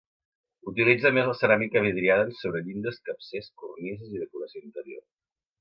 Utilitza a més la ceràmica vidriada en sobrellindes, capcers, cornises i decoració interior.